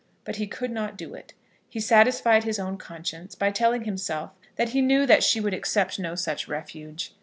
But he could not do it. He satisfied his own conscience by telling himself that he knew that she would accept no such refuge.